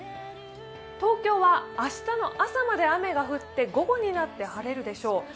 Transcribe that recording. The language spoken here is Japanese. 東京は明日の朝まで雨が降って午後になって晴れるでしょう。